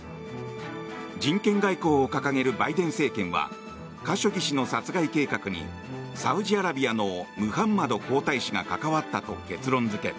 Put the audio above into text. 人権外交を掲げるバイデン政権はカショギ氏の殺害計画にサウジアラビアのムハンマド皇太子が関わったと結論付け